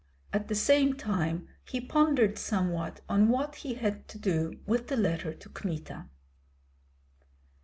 At the same time he pondered somewhat on what he had to do with the letter to Kmita.